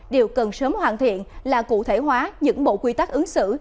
điều cần sớm hoàn thiện là cụ thể hóa những bộ quy tắc ứng xử